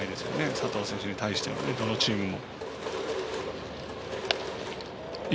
佐藤選手に対して、どのチームも。